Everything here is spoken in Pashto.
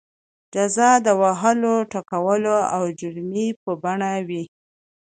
جزا د وهلو ټکولو او جریمې په بڼه وي.